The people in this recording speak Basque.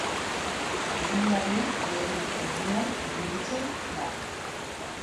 Abenduaren lehen erdian burutzen da.